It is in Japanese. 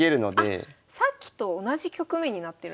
あっさっきと同じ局面になってるんですか。